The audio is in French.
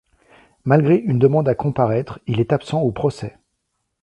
Malgré une demande à comparaître, il est absent au procès.